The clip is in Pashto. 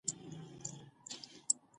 سپوږمۍ تل د فلک پوهانو لپاره جالبه وه